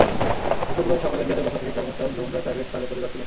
বৃহস্পতিবার সকালে রিয়াদের বাসা থেকে কর্মস্থল ধুমরায় প্রাইভেট কারে করে যাচ্ছিলেন।